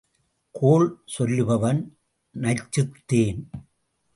கோள் சொல்லுபவன் நச்சுத்தேன்.